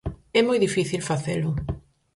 É moi difícil facelo.